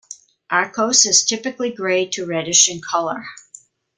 Arkose is typically grey to reddish in colour.